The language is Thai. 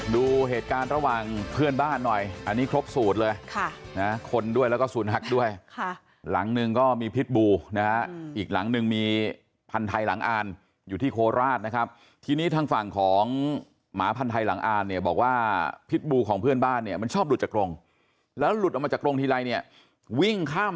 ดูเหตุการณ์ระหว่างเพื่อนบ้านหน่อยอันนี้ครบสูตรเลยค่ะนะคนด้วยแล้วก็ศูนย์หักด้วยค่ะหลังหนึ่งก็มีพิษบูนะฮะอีกหลังหนึ่งมีพันธุ์ไทยหลังอ่านอยู่ที่โคราชนะครับทีนี้ทางฝั่งของหมาพันธ์ไทยหลังอ่านเนี่ยบอกว่าพิษบูของเพื่อนบ้านเนี่ยมันชอบหลุดจากกรงแล้วหลุดออกมาจากกรงทีไรเนี่ยวิ่งข้าม